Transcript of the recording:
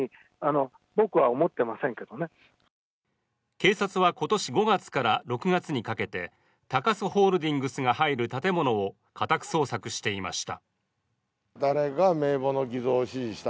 警察は今年５月から６月にかけて高須ホールディングスが入る建物を家宅捜索していました。